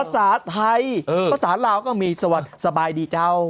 ภาษาไทยภาษาลาวก็มีสวัสดีสบายดีเจ้า